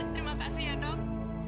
terima kasih ya dok